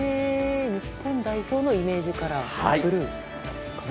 日本代表のイメージカラーブルーかな？